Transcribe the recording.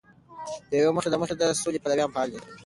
د یوې موخی د مخې د سولې پلویان فعال دي.